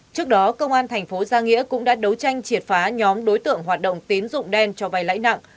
trước đó công an thành phố gia nghĩa cũng đã đấu tranh triệt phá nhóm đối tượng hoạt động tín dụng đen cho vay lãi nặng